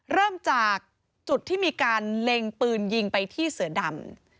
เริ่มจากจุดที่มีการเล็งปืนยิงไปที่เสือดำ